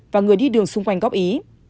và người đi đường xung quanh góc ý